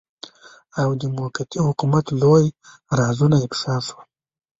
او د موقتي حکومت لوی رازونه افشاء شول.